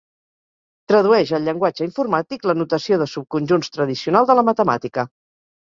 Tradueix al llenguatge informàtic la notació de subconjunts tradicional de la matemàtica.